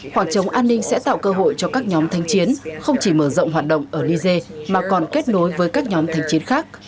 khoảng trống an ninh sẽ tạo cơ hội cho các nhóm thanh chiến không chỉ mở rộng hoạt động ở niger mà còn kết nối với các nhóm thanh chiến khác